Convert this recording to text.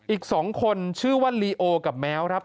อีก๒คนชื่อว่าลีโอกับแมวครับ